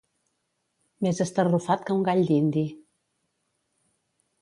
Més estarrufat que un gall dindi.